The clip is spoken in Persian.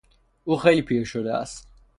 او خیلی پیر شده است.